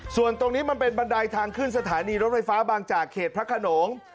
ส่วนตรงนี้มันเป็นบันไดทางขึ้นสถานีรถไฟฟ้าบางจากเขตพระขนง